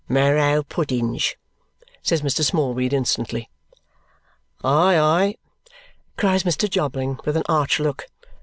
"Marrow puddings," says Mr. Smallweed instantly. "Aye, aye!" cries Mr. Jobling with an arch look.